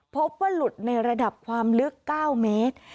พบว่าหลุดในระดับความลึก๙เมตร